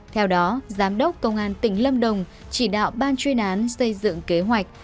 theo đó giám đốc công an tỉnh lâm đồng chỉ đạo bà truyền án xây dựng kế hoạch